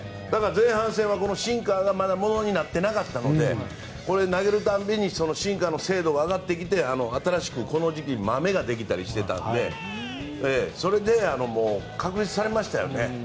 前半戦はシンカーがまだものになっていなかったので投げるたびにシンカーの精度が上がってきて新しくこの時期にマメができたりしてたのでそれで確立されましたよね。